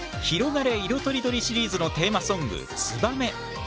「ひろがれいろとりどり」シリーズのテーマソング「ツバメ」。